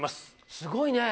すごいね。